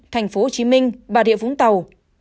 thành phố hồ chí minh và địa phúng tàu